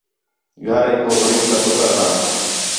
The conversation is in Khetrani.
گھریک ہو غریب تا پُتر ہا